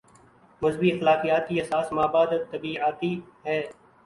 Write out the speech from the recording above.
مذہبی اخلاقیات کی اساس مابعد الطبیعیاتی ہے۔